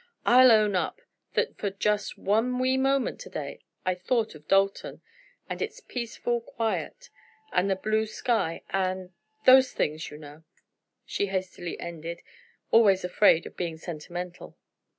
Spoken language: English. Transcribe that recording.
I'll own up, that for just one wee moment to day, I thought of Dalton, and its peaceful quiet and the blue sky and—those things, you know," she hastily ended, always afraid of being sentimental.